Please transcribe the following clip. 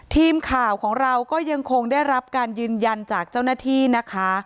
ทีมข่าวของเราก็ยังคงได้รับการยืนยันจากเจ้าหน้าที่นะคะ